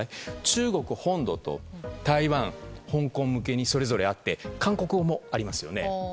中国本土と台湾、香港向けにそれぞれあって韓国語もありますよね。